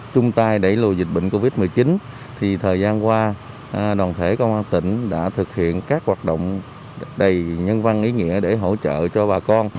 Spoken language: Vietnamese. chung tay đẩy lùi dịch bệnh covid một mươi chín thì thời gian qua đoàn thể công an tỉnh đã thực hiện các hoạt động đầy nhân văn ý nghĩa để hỗ trợ cho bà con